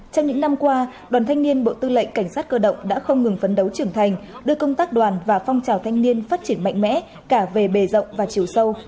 trong những năm qua đoàn thanh niên bộ tư lệnh cảnh sát cơ động đã không ngừng phấn đấu trưởng thành đưa công tác đoàn và phong trào thanh niên phát triển mạnh mẽ cả về bề rộng và chiều sâu